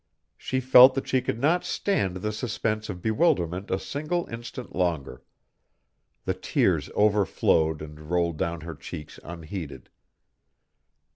She felt that she could not stand the suspense of bewilderment a single instant longer. The tears overflowed and rolled down her cheeks unheeded.